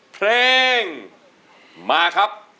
เพลงมาครับ